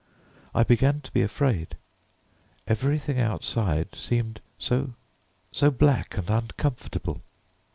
I began to be afraid; everything outside seemed so so black and uncomfortable.